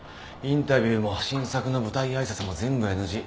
インタビューも新作の舞台挨拶も全部ＮＧ。